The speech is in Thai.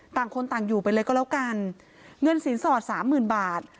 ต่างคนต่างอยู่ไปเลยก็แล้วกันเงินสินสอดสามหมื่นบาท